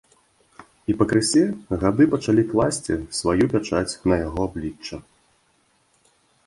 І пакрысе гады пачалі класці сваю пячаць на яго аблічча.